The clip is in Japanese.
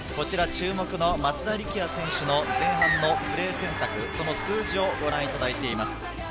注目の松田力也選手の前半のプレー選択、その数字をご覧いただいています。